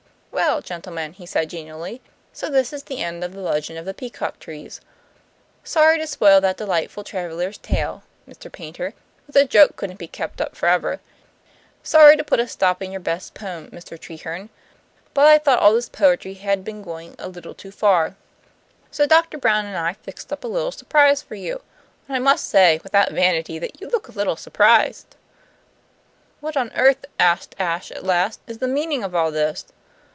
"Well, gentlemen," he said genially, "so this is the end of the legend of the peacock trees. Sorry to spoil that delightful traveler's tale, Mr. Paynter, but the joke couldn't be kept up forever. Sorry to put a stop to your best poem, Mr. Treherne, but I thought all this poetry had been going a little too far. So Doctor Brown and I fixed up a little surprise for you. And I must say, without vanity, that you look a little surprised." "What on earth," asked Ashe at last, "is the meaning of all this?"